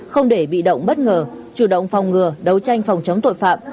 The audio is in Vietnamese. không để bị động bất ngờ chủ động phòng ngừa đấu tranh phòng chống tội phạm